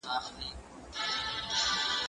زه به پلان جوړ کړی وي!